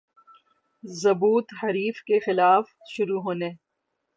ضبوط حریف کے خلاف شروع ہونے